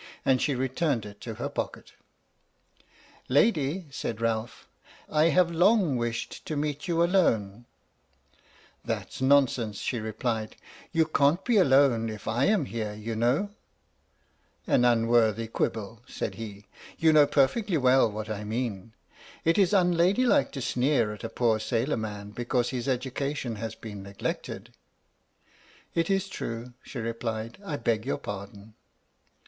And she returned it to her pocket. " Lady," said Ralph, " I have long wished to meet you alone." 58 SO SHE CAME ON DECK TO INDULGE IN A REVERIE ALL ALONE H.M.S. "PINAFORE" " That 's nonsense," she replied, " you can't be alone if I am here, you know." "An unworthy quibble," said he. "You know perfectly well what I mean. It is unladylike to sneer at a poor sailor man because his education has been neglected." " It is true," she replied. " I beg your pardon."